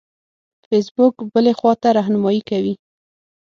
فیسبوک بلې خواته رهنمایي کوي.